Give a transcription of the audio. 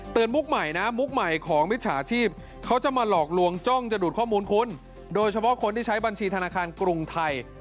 มุกใหม่นะมุกใหม่ของมิจฉาชีพเขาจะมาหลอกลวงจ้องจะดูดข้อมูลคุณโดยเฉพาะคนที่ใช้บัญชีธนาคารกรุงไทย